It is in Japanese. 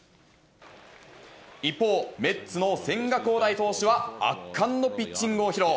一方、メッツの千賀滉大投手は、圧巻のピッチングを披露。